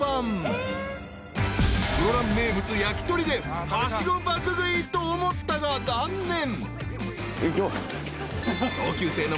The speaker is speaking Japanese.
［室蘭名物やきとりではしご爆食いと思ったが断念］